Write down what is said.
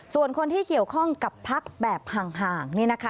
ส่วนคนที่เกี่ยวข้องกับพักแบบห่าง